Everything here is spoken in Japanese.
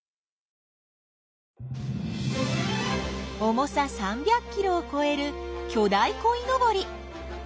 重さ３００キロをこえる巨大こいのぼり。